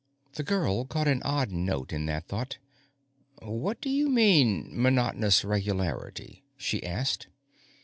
_ The girl caught an odd note in that thought. What do you mean, "monotonous regularity"? she asked.